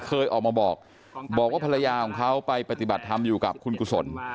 เคยออกมาบอกบอกว่าภรรยาของเขาไปปฏิบัติธรรมอยู่กับคุณกุศล